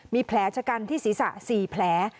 มีแผลชะกันที่ศีรษะ๔แผล